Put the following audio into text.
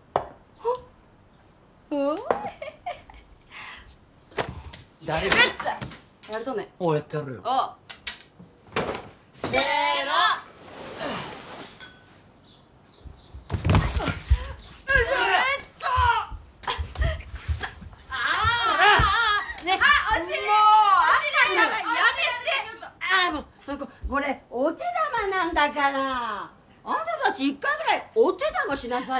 ああもうっこれお手玉なんだからあんた達一回ぐらいお手玉しなさいよ